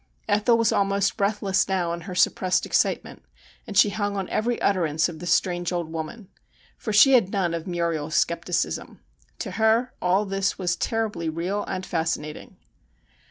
Ethel was almost breathless now in her suppressed ex citement, and she hung on every utterance of the strange old woman. For she had none of Muriel's scepticism. To her all this was terribly real and fascinating.